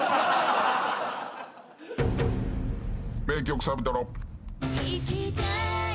名曲サビトロ。